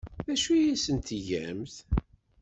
D acu ay asent-tgamt?